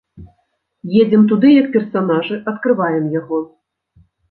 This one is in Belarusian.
Едзем туды як персанажы, адкрываем яго.